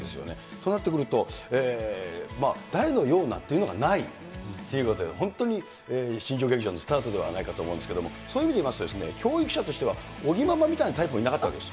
そうなってくると、誰のようなというのがないっていうことで、本当に新庄劇場のスタートではないかと思うんですけれども、そういう意味でいいますと、教育者としては、尾木ママみたいなタイプもいなかったです。